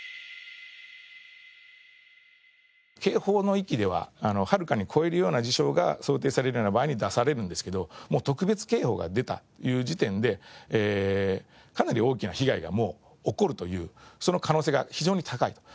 警報の域でははるかに超えるような事象が想定されるような場合に出されるんですけどもう特別警報が出たという時点でかなり大きな被害が起こるというその可能性が非常に高いと。